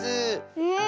うん。